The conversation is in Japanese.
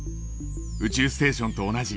宇宙ステーションと同じ。